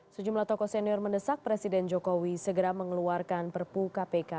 sejumlah tokoh senior mendesak presiden jokowi segera mengeluarkan perpu kpk